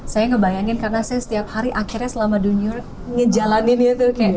saya ngebayangin karena saya setiap hari akhirnya selama dunia ulang nyajal mein you tuh